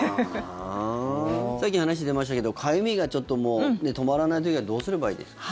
さっき話出ましたけどかゆみが止まらない時はどうすればいいですか。